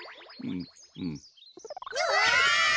うわ！